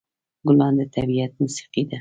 ګلان د طبیعت موسيقي ده.